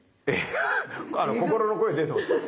心の声出てますよ。